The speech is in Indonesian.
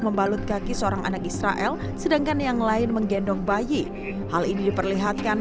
membalut kaki seorang anak israel sedangkan yang lain menggendong bayi hal ini diperlihatkan